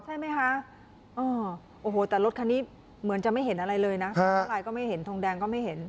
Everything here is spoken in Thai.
ใช่ไหมคะโอ้โหแต่รถคันนี้เหมือนจะไม่เห็นอะไรเลยนะเท่าไรก็ไม่เห็นทงแดงก็ไม่เห็น